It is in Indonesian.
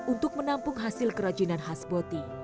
untuk menampung hasil kerajinan khas boti